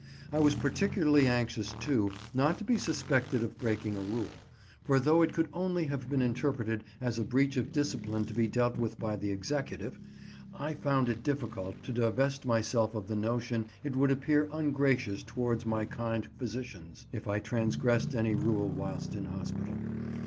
I was particularly anxious, too, not to be suspected of breaking a rule, for though it could only have been interpreted as a breach of discipline to be dealt with by the Executive, I found it difficult to divest myself of the notion it would appear ungracious towards my kind physicians if I transgressed any rule whilst in hospital.